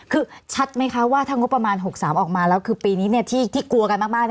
คือชัดไหมคะว่าถ้างบประมาณ๖๓ออกมาแล้วคือปีนี้ที่กลัวกันมาก